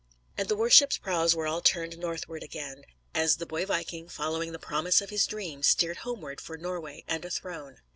And the war ships' prows were all turned northward again, as the boy viking, following the promise of his dream, steered homeward for Norway and a throne.